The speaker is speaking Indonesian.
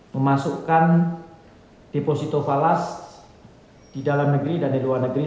memasukkan deposito falas di dalam negeri dan di luar negeri